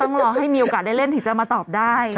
ต้องรอให้มีโอกาสได้เล่นถึงจะมาตอบได้